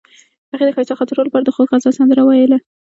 هغې د ښایسته خاطرو لپاره د خوږ غزل سندره ویله.